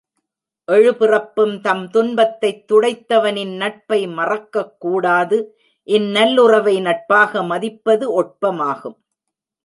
எழு பிறப்பும் தம் துன்பத்தைத் துடைத்தவனின் நட்பை மறக்கக் கூடாது இந் நல்லுறவை நட்பாக மதிப்பது ஒட்பமாகும்.